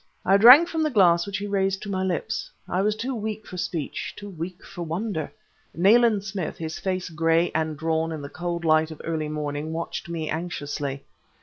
I drank from the glass which he raised to my lips. I was too weak for speech, too weak for wonder. Nayland Smith, his face gray and drawn in the cold light of early morning, watched me anxiously.